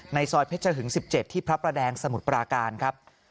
ซอยเพชรหึง๑๗ที่พระประแดงสมุทรปราการครับ